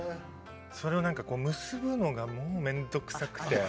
それを結ぶのが面倒くさくて。